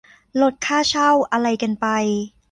ลดค่าเช่า อะไรกันไป